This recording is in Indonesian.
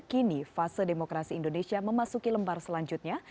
kini fase demokrasi indonesia memasuki lembar selanjutnya